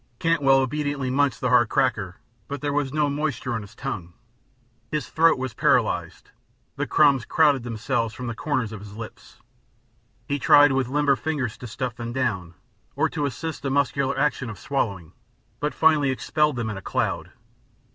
Cantwell obediently munched the hard cracker, but there was no moisture on his tongue; his throat was paralyzed; the crumbs crowded themselves from the corners of his lips. He tried with limber fingers to stuff them down, or to assist the muscular action of swallowing, but finally expelled them in a cloud.